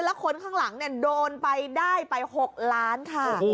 แล้วคนข้างหลังเนี่ยโดนไปได้ไป๖ล้านค่ะ